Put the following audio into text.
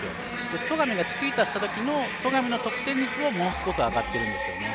戸上がチキータした時の戸上の得点率がものすごく上がってるんですね。